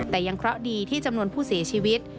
แต่ยังเคราะห์ดีที่จำนวนผู้เสียชีวิต